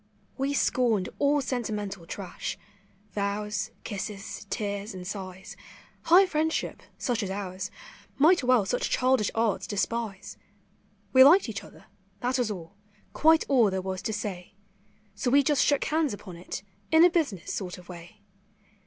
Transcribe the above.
We scorned all sentimental trash —vows, kisses, tears, and sighs; High friendship, such as ours, might well such childish arts despise; We liked each other, that was all, quite all there was to say, So we just shook hands upon it, in a business sort of way.